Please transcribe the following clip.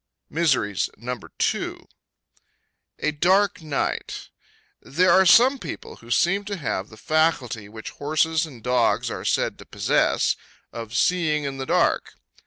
MISERIES. No. 2. A Dark Night. There are some people who seem to have the faculty which horses and dogs are said to possess,—of seeing in the dark.